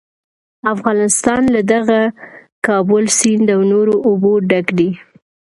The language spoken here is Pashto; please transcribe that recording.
افغانستان له دغه کابل سیند او نورو اوبو ډک دی.